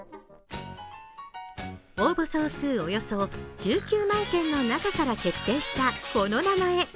応募総数およそ１９万件の中から決定したこの名前。